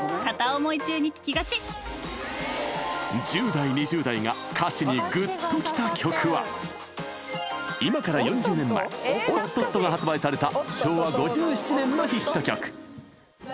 １０代２０代が歌詞にグッと来た曲は今から４０年前おっとっとが発売された